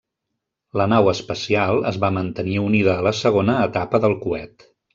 La nau espacial es va mantenir unida a la segona etapa del coet.